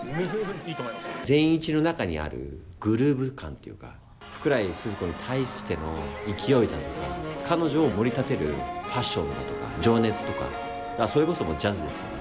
善一の中にあるグルーヴ感というか福来スズ子に対しての勢いだとか彼女をもり立てるパッションだとか情熱とかそれこそジャズですよね